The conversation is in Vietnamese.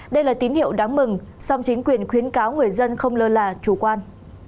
đây là tín hiệu đáng mừng song chính quyền khuyến cáo người dân không lơ là chủ quan